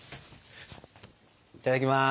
いただきます！